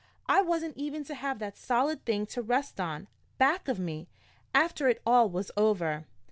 I wasn't even to have that solid thing to rest on, back of me, after it all was over!"